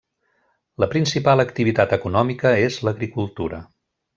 La principal activitat econòmica és l'agricultura.